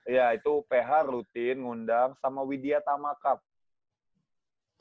iya itu uph rutin ngundang sama widyatama cup